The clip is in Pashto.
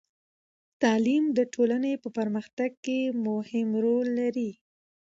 تعلیم د ټولنې په پرمختګ کې مهم رول لري.